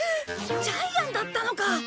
ジャイアンだったのか！